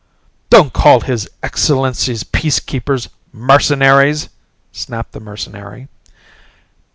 "Don't call His Excellency's Peacekeepers 'mercenaries'!" snapped the mercenary.